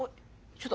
ちょっと。